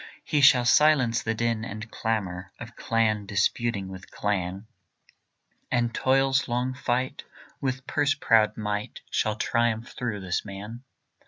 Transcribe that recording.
He shall silence the din and clamour Of clan disputing with clan, And toil's long fight with purse proud might Shall triumph through this man.